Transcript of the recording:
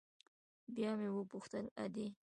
بيا مې وپوښتل ادې.